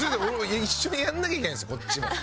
一緒にやんなきゃいけないんですこっちも。